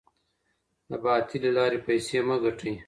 د باطلي لاري پیسې مه ګټئ.